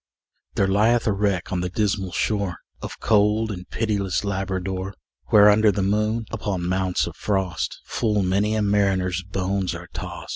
There lieth a wreck on the dismal shore Of cold and pitiless Labrador; Where, under the moon, upon mounts of frost, Full many a mariner's bones are tost.